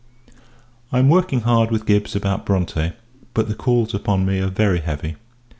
I am working hard with Gibbs about Bronte, but the calls upon me are very heavy.